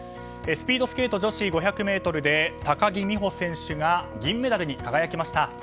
スピードスケート女子５００ｍで高木美帆選手が銀メダルに輝きました。